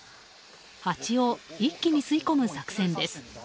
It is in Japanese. ハチを一気に吸い込む作戦です。